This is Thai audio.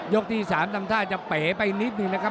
ที่๓ทำท่าจะเป๋ไปนิดนึงนะครับ